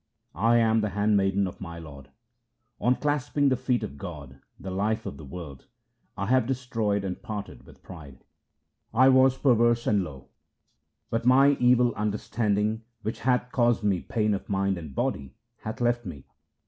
1 am the handmaiden of my Lord. On clasping the feet of God, the life of the world, I have destroyed and parted with pride. I was perverse and low, but my evil understanding which hath caused me pain of mind and body hath left me.